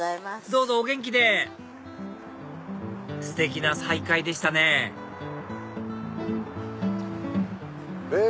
どうぞお元気でステキな再会でしたねえ